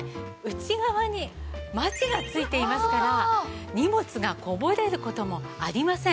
内側にマチがついていますから荷物がこぼれる事もありません。